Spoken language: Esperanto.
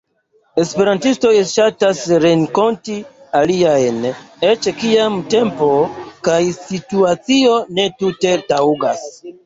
Esperantistoj ŝatas renkonti aliajn, eĉ kiam tempo kaj situacio ne tute taŭgas.